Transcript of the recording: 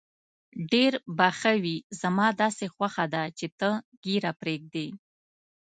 ډېر به ښه وي، زما داسې خوښه ده چې ته ږیره پرېږدې.